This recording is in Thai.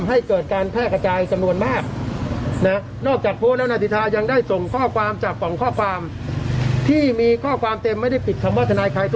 และกระจายข่าวและคนก็มาคอมเมนต์ด่าผมในโซเชียลวีดีโอจำนวนมากว่า